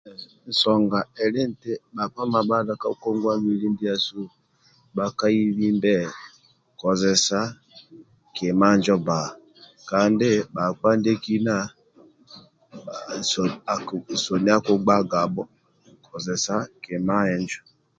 Nsonga eli nti bkapa mamadha ka ngongwa mbili ndiasu bhakaibimbe kozesa kima njo bba kandi bhakpa ndiekina soni akibhugbaga kozesa kima injo